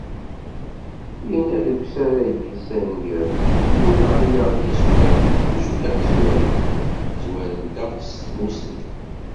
Yenna deg usarag-is aneggaru: "Timura i aɣ-yezwaren, s wacu i aɣ-zwarent? Zwarent-aɣ s tmussn."